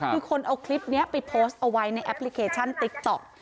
คือคนเอาคลิปนี้ไปโพสต์เอาไว้ในแอปพลิเคชันติ๊กต๊อก